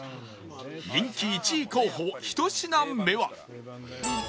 人気１位候補１品目は